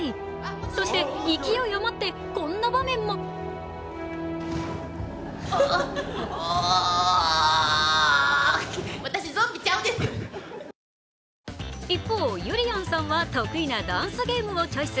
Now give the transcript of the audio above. そして勢い余って、こんな場面も一方、ゆりやんさんは得意なダンスゲームをチョイス。